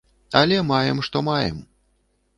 Але маем што маем.